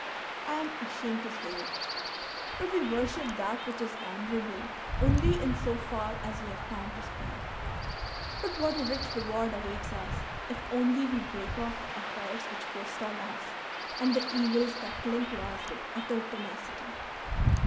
I am ashamed to say it ; but we worship that which is honourable only in so far as we have time to spare." But what a rich reward awaits us if only we break off the affairs which forestall us and the evils that cling to us with utter tenacity